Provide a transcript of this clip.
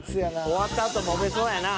終わったあともめそうやな。